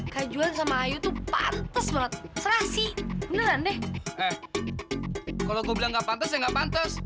kajuan sama ayu tuh pantas banget serasi beneran deh kalau gue bilang gak pantas ya nggak pantas